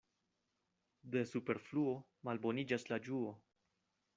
De superfluo malboniĝas la ĝuo.